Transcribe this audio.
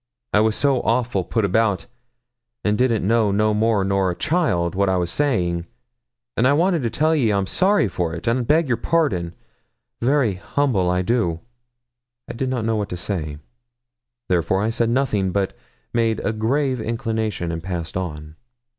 I was so awful put about, and didn't know no more nor a child what I was saying; and I wanted to tell ye I'm sorry for it, and I beg your pardon very humble, I do.' I did not know what to say. I therefore said nothing, but made a grave inclination, and passed on.